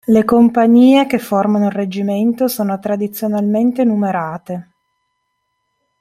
Le compagnie che formano il reggimento sono tradizionalmente numerate.